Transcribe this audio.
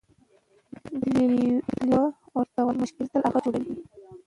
لیوه ورته وايي: مشکل تل هغه جوړوي،